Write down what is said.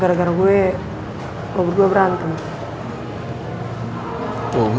gara gara gue gue berdua berantem